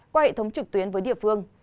qua hệ thống trực tuyến với địa phương